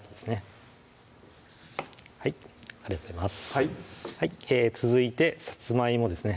はい続いてさつまいもですね